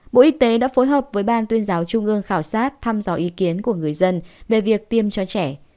bộ y tế đã phối hợp với ban tuyên giáo trung ương khảo sát thăm dò ý kiến của người dân về việc tiêm cho trẻ